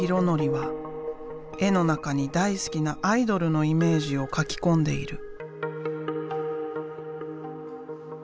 則は絵の中に大好きなアイドルのイメージを書き込んでいる。